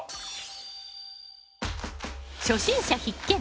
初心者必見！